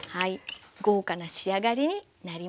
豪華な仕上がりになります。